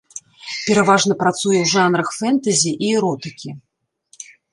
Пераважна працуе ў жанрах фэнтэзі і эротыкі.